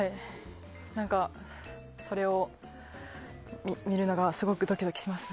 何か、それを見るのがすごくドキドキしますね。